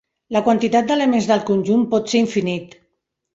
La quantitat d'elements del conjunt pot ser infinit.